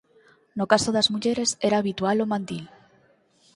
No caso das mulleres era habitual o mandil.